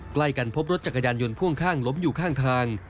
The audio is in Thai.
ใกล้กันพบรถจักรยานยนต์พ่วงข้างล้มอยู่ข้างทาง